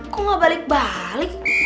kok gak balik balik